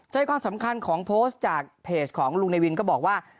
ใจความสำคัญของโพสต์จากเพจของลุงเนวินก็บอกว่า